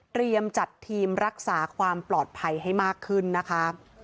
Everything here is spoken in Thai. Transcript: จัดทีมรักษาความปลอดภัยให้มากขึ้นนะคะ